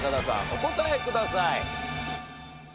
お答えください。